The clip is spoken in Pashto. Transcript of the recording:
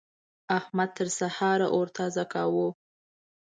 احمد تر سهار اور تازه کاوو.